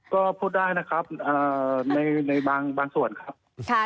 ก็พูดได้นะครับในบางส่วนครับ